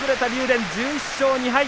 電、１１勝２敗。